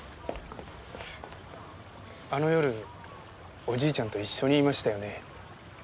あの夜おじいちゃんと一緒にいましたよね？